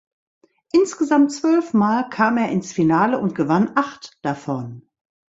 Insgesamt zwölfmal kam er ins Finale und gewann acht davon.